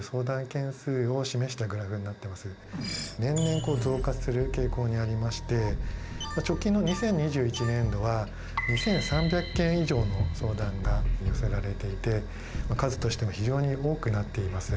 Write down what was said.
年々増加する傾向にありまして直近の２０２１年度は２，３００件以上の相談が寄せられていて数としても非常に多くなっています。